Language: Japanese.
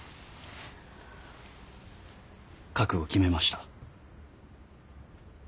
覚悟決めました。